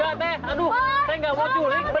udah teeh aduh teeh gak mau diculik bener